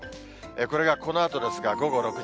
これがこのあとですが、午後６時。